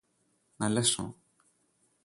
നല്ല ശ്രമം